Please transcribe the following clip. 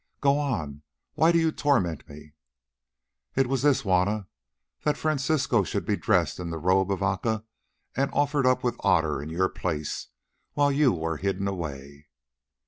"Go on. Why do you torment me?" "It was this, Juanna: that Francisco should be dressed in the robe of Aca, and offered up with Otter in your place, while you were hidden away."